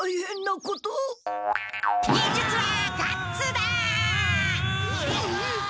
忍術はガッツだ！